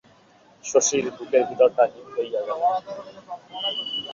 শশীর বুকের ভিতরটা হিম হইয়া গেল।